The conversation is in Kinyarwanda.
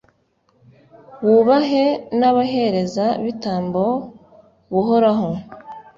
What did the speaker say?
wubahe n'abaherezabitambo b'uhoraho